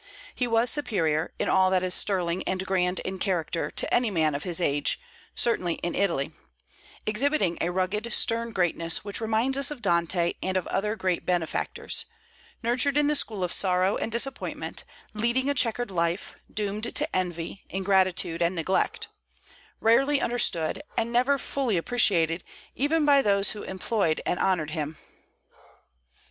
He was superior, in all that is sterling and grand in character, to any man of his age, certainly in Italy; exhibiting a rugged, stern greatness which reminds us of Dante, and of other great benefactors; nurtured in the school of sorrow and disappointment, leading a checkered life, doomed to envy, ingratitude, and neglect; rarely understood, and never fully appreciated even by those who employed and honored him.